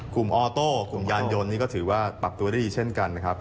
กลุ่มออโตกลุ่มการยนต์ถือว่าปรับตัวได้ดีเช่นกัน